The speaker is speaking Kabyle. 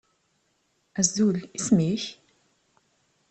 Azul, isem-ik?